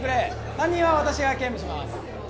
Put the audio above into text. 担任は私が兼務します